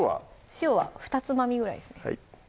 塩はふたつまみぐらいですね